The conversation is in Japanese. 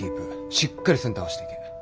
しっかりセンター合わしていけ！